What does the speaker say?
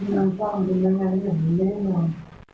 ที่นำต้องเป็นรายงานให้พวกมันได้นอน